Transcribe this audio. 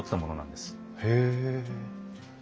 へえ。